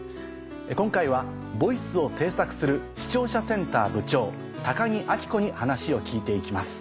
今回は「ＶＯＩＣＥ」を制作する視聴者センター部長木明子に話を聞いて行きます